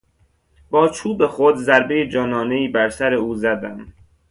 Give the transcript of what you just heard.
با چوب خود ضربهی جانانهای بر سر او زدم.